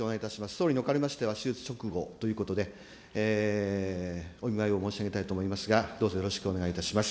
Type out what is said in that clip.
総理におかれましては、手術直後ということで、お見舞いを申し上げたいと思いますが、どうぞよろしくお願いいたします。